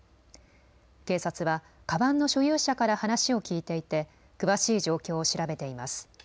警察はかばんの所有者から話を聞いていて詳しい状況を調べています。